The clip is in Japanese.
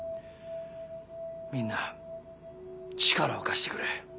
みんな力を貸してくれ。